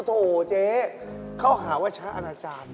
โถ่เจ๊เขาหาว่าฉันอาจารย์